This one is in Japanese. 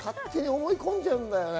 思い込んじゃうんだよね。